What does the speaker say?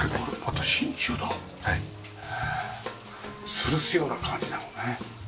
つるすような感じなのね。